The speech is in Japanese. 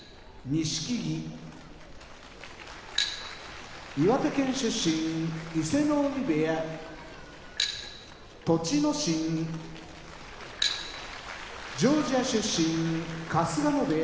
錦木岩手県出身伊勢ノ海部屋栃ノ心ジョージア出身春日野部屋